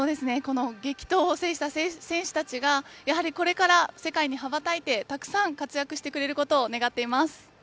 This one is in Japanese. この激闘を制した選手たちがこれから世界に羽ばたいてたくさん活躍していけることを願っています。